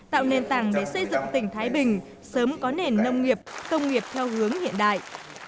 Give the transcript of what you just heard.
tạo nền tảng để xây dựng tỉnh thái bình sớm có nền nông nghiệp công nghiệp theo hướng hiện đại